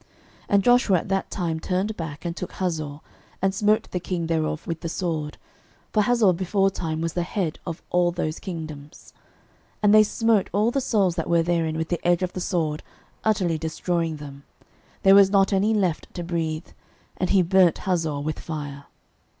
06:011:010 And Joshua at that time turned back, and took Hazor, and smote the king thereof with the sword: for Hazor beforetime was the head of all those kingdoms. 06:011:011 And they smote all the souls that were therein with the edge of the sword, utterly destroying them: there was not any left to breathe: and he burnt Hazor with fire.